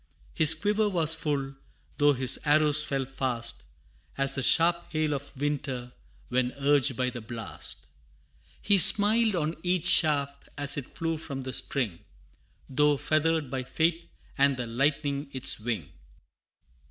His quiver was full, though his arrows fell fast As the sharp hail of winter when urged by the blast. He smiled on each shaft as it flew from the string, Though feathered by fate, and the lightning its wing.